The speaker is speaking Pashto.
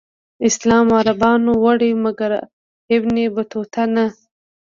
اسلام عربانو وړی مګر ابن بطوطه نه.